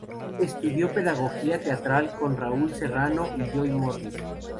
Estudió pedagogía teatral con Raúl Serrano y Joy Morris.